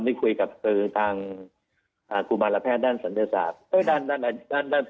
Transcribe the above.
ได้คุยกับทางกุมารแพทย์ด้านศัลยศาสตร์